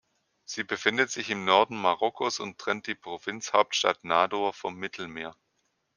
Sie befindet sich im Norden Marokkos und trennt die Provinzhauptstadt Nador vom Mittelmeer.